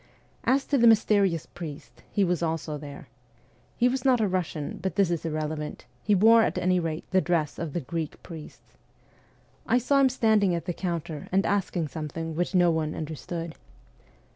As to the mysterious priest, he was also there. He was not a Russian, but this is irrelevant : he wore at any rate the dress of the Greek priests. I saw him standing at the counter and asking something which no one understood.